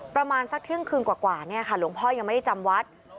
ประมาณสักเที่ยงคืนกว่าเนี่ยค่ะหลวงพ่อยังไม่ได้จำวัด